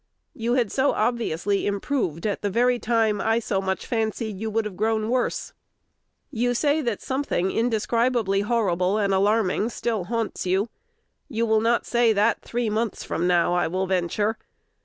You had so obviously improved at the very time I so much fancied you would have grown worse. You say that something indescribably horrible and alarming still haunts you. You will not say that three months from now, I will venture.